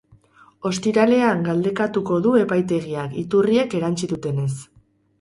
Ostiralean galdekatuko du epaitegiak, iturriek erantsi dutenez.